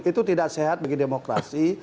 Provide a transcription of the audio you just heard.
itu tidak sehat bagi demokrasi